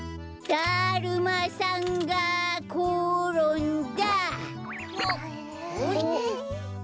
だるまさんがころんだ！